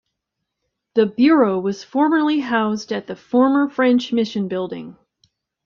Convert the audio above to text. The bureau was formerly housed at the Former French Mission Building.